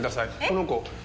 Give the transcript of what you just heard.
この子。